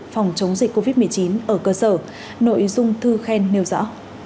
phòng chống dịch covid một mươi chín ở cơ sở nội dung thư khen nêu rõ